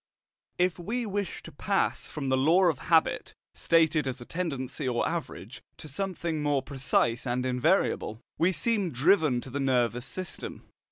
If we wish to pass from the law of habit, stated as a tendency or average, to something more precise and invariable, we seem driven to the nervous system.